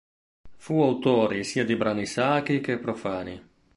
Fu autore sia di brani sacri che profani.